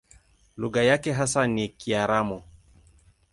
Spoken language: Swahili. Lugha yake hasa ni Kiaramu.